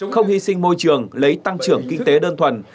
không hy sinh môi trường lấy tăng trưởng kinh tế đơn thuần